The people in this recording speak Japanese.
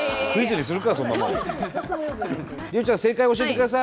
莉緒ちゃん正解教えてください。